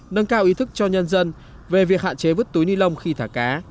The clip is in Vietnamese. nâng cao ý thức cho nhân dân về việc hạn chế vứt túi ni lông khi thả cá